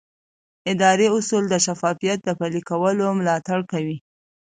اداري اصول د شفافیت د پلي کولو ملاتړ کوي.